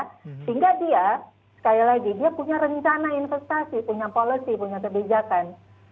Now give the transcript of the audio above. sehingga dia sekali lagi dia punya rencana investasi punya policy punya kebijakan